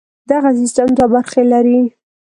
دغه سیستم دوې برخې لري.